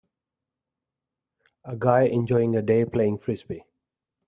a guy enjoying a day playing Frisbee.